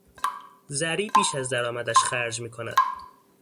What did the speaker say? زری بیش از درآمدش خرج میکند.